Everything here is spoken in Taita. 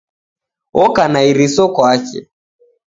Oka na iriso kwake.